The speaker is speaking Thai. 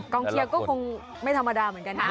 เชียร์ก็คงไม่ธรรมดาเหมือนกันนะ